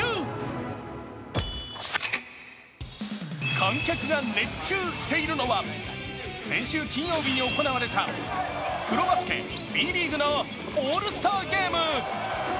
観客が熱中しているのは、先週金曜日に行われたプロバスケＢリーグのオールスターゲーム。